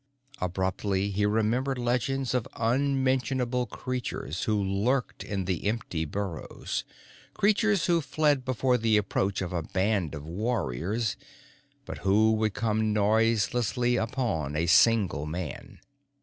Abruptly he remembered legends of unmentionable creatures who lurked in the empty burrows, creatures who fled before the approach of a band of warriors, but who would come noiselessly upon a single man.